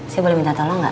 saya boleh minta tolong gak